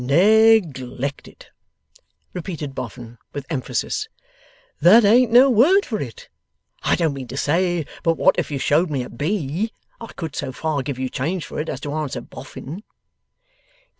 'Neg lected!' repeated Boffin, with emphasis. 'That ain't no word for it. I don't mean to say but what if you showed me a B, I could so far give you change for it, as to answer Boffin.